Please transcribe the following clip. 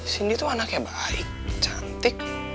cindy itu anaknya baik cantik